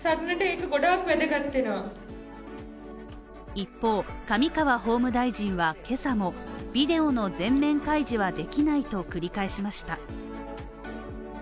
一方上川法務大臣は今朝もビデオの全面開示はできないと繰り返しました